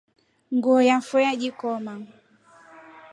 Nguo yafa yajikoma.